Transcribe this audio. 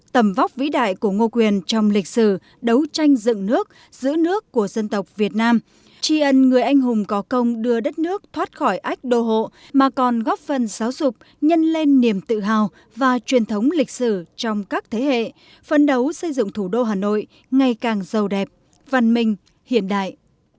tầm vóc vĩ đại của ngô quyền trong lịch sử đấu tranh dựng nước giữ nước của dân tộc việt nam tri ân người anh hùng có công đưa đất nước thoát khỏi ách đô hộ mà còn góp phần giáo dục nhân lên niềm tự hào và truyền thống lịch sử trong các thế hệ phấn đấu xây dựng thủ đô hà nội ngày càng giàu đẹp văn minh hiện đại